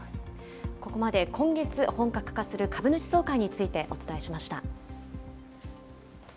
ここまで今月本格化する株主総会についてお伝えしました。